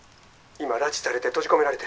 今拉致されて閉じ込められてる。